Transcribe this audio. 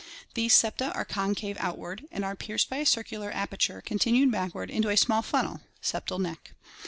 These septa are concave outward and are pierced by a circular aperture con tinued backward into a small funnel (septal neck).